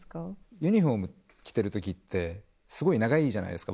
ユニホーム着てる時ってすごい長いじゃないですか